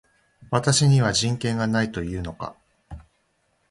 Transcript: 私には人権がないと言うのか